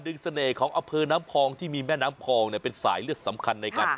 เสน่ห์ของอำเภอน้ำพองที่มีแม่น้ำพองเป็นสายเลือดสำคัญในการ